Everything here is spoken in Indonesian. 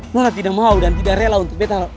lo gak tidak mau dan tidak rela untuk betta